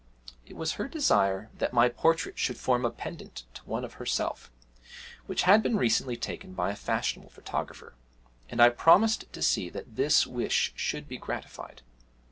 It was her desire that my portrait should form a pendant to one of herself which had been recently taken by a fashionable photographer, and I promised to see that this wish should be gratified.